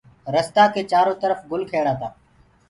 رستآ ڪي چآرو ترڦ گُل کيڙآ تآ